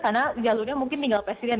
karena jalurnya mungkin tinggal presiden